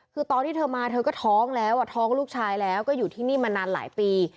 คือตอนที่เธอมาเธอก็ท้องแล้วท้องลูกชายแล้วก็อยู่ที่นี่มานานหลายปี